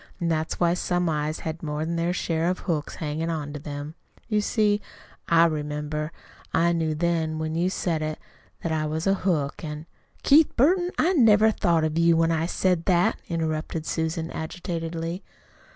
And that's why some eyes had more than their share of hooks hanging on to them. You see I remembered. I knew then, when you said it, that I was a hook, and " "Keith Burton, I never thought of you when I said that," interrupted Susan agitatedly.